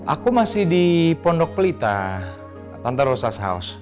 aku masih di pondok pelita tante rosa's house